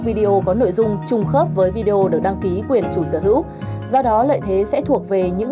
video có nội dung trùng khớp với video được đăng ký quyền chủ sở hữu do đó lợi thế sẽ thuộc về những